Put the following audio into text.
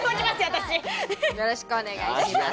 私よろしくお願いします